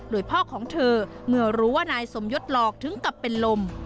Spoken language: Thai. โดยพ่อของเธอเมื่อรู้ว่านายสมยศหลอกถึงกับเป็นลม